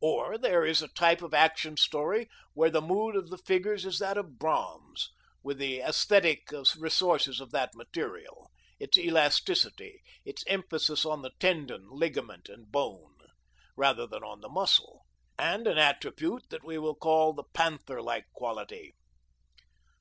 Or there is a type of Action Story where the mood of the figures is that of bronze, with the æsthetic resources of that metal: its elasticity; its emphasis on the tendon, ligament, and bone, rather than on the muscle; and an attribute that we will call the panther like quality.